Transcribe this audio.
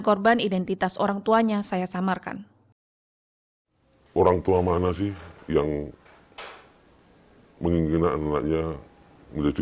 korban identitas orang tuanya saya samarkan orang tua mana sih yang menginginkan anaknya menuju